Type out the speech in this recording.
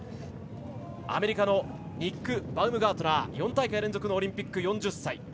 アメリカのニック・バウムガートナー４大会連続のオリンピック、４０歳。